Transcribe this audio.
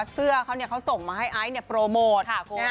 สื่อเขาส่งมาให้อายบโปรโมท